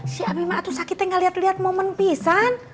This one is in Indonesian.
si abi mah sakitnya gak liat liat momen pisan